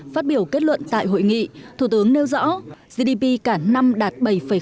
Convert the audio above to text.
phát biểu kết luận tại hội nghị thủ tướng nêu rõ gdp cả năm đạt bảy tám